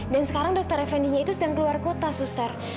dan sekarang dr effendi itu sedang keluar kota suster